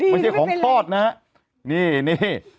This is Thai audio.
ดีที่ก่อนปอดนะนี่นี่